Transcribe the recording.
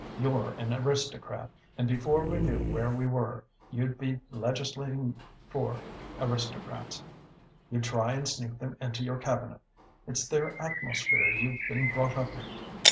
You're an aristocrat, and before we knew where we were, you'd be legislating for aristocrats. You'd try and sneak them into your Cabinet. It's their atmosphere you've been brought up in.